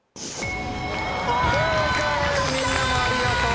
正解みんなもありがとう。